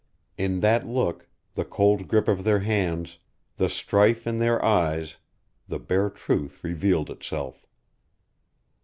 In that look, the cold grip of their hands, the strife in their eyes, the bare truth revealed itself.